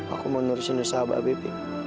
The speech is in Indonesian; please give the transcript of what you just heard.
aku mau nurusin ke sahabat bp